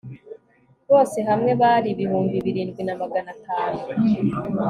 bose hamwe bari ibihumbi birindwi na magana atanu